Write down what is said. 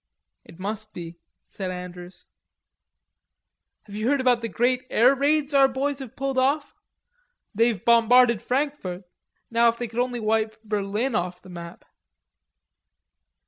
"It must be," said Andrews. "Have you heard about the great air raids our boys have pulled off? They've bombarded Frankfort; now if they could only wipe Berlin off the map."